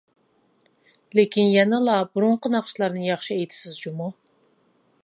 لېكىن يەنىلا بۇرۇنقى ناخشىلارنى ياخشى ئېيتىسىز جۇمۇ!